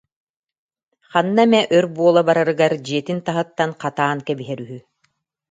Ханна эмэ өр буола барарыгар дьиэтин таһыттан хатаан кэбиһэр үһү